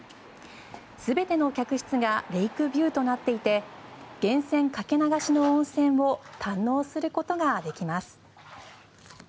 全ての客室がレイクビューとなっていて源泉かけ流しの温泉を堪能することができます。